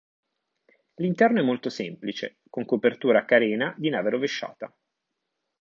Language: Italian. L'interno è molto semplice, con copertura a carena di nave rovesciata.